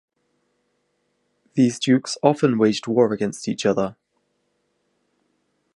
These dukes often waged war against each other.